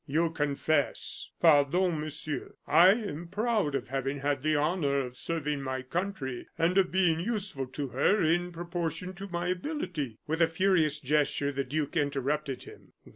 You confess " "Pardon, Monsieur; I am proud of having had the honor of serving my country, and of being useful to her in proportion to my ability " With a furious gesture the duke interrupted him.